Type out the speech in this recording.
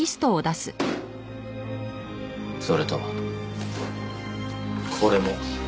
それとこれも。